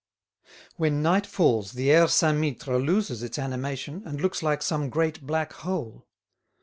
When night falls the Aire Saint Mittre loses its animation, and looks like some great black hole.